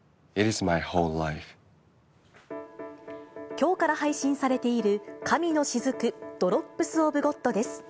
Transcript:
きょうから配信されている、神の雫／ドロップス・オブ・ゴッドです。